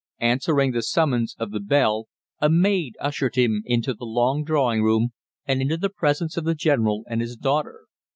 Answering the summons of the bell, a maid ushered him into the long drawing room, and into the presence of the general and his daughter.